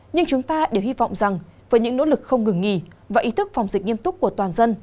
nhưng chúng ta đều hy vọng rằng với những nỗ lực không ngừng nghỉ và ý thức phòng dịch nghiêm túc của toàn dân